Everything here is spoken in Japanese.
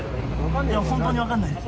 本当に分からないです。